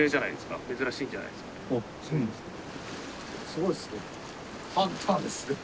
すごいですね。